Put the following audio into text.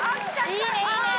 いいねいいね。